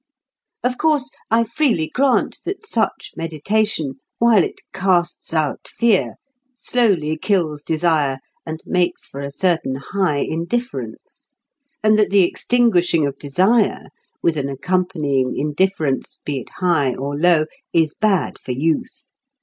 Of course, I freely grant that such meditation, while it "casts out fear," slowly kills desire and makes for a certain high indifference; and that the extinguishing of desire, with an accompanying indifference, be it high or low, is bad for youth.